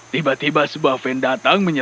tiba tiba sebuah van datang